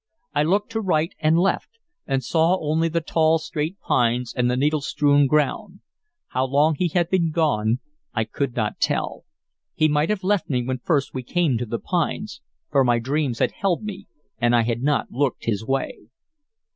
I looked to right and left, and saw only the tall, straight pines and the needle strewn ground. How long he had been gone I could not tell. He might have left me when first we came to the pines, for my dreams had held me, and I had not looked his way.